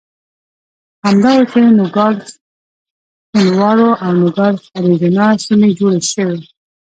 همدا و چې د نوګالس سونورا او نوګالس اریزونا سیمې جوړې شوې.